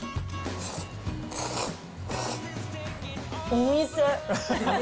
お店。